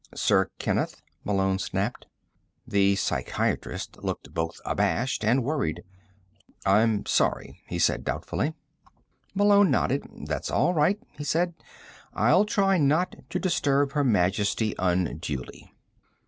"Sir Kenneth," Malone snapped. The psychiatrist looked both abashed and worried. "I'm sorry," he said doubtfully. Malone nodded. "That's all right," he said. "I'll try not to disturb Her Majesty unduly."